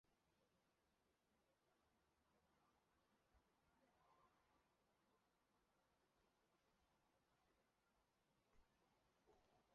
村八分是日本传统中对于村落中破坏成规和秩序者进行消极的制裁行为的俗称。